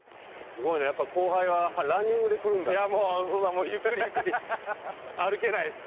すごい、やっぱり後輩はランニングで来るんだね。